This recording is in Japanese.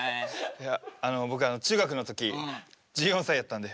いや僕あの中学の時１４歳やったんで。